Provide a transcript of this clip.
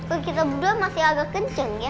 kalau kita berdua masih agak kenceng ya